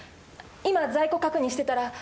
今在庫確認してたら。